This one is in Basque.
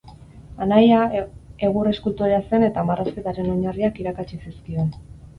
Anaia egur-eskultorea zen eta marrazketaren oinarriak irakatsi zizkion.